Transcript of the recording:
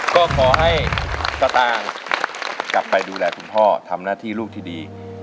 ก็ขอให้กระตางกลับไปดูแลคุณพ่อทำหน้าที่ลูกที่ดี